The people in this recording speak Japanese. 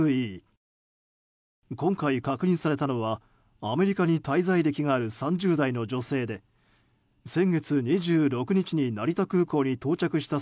今回確認されたのはアメリカに滞在歴がある３０代の女性で先月２６日に成田空港に到着した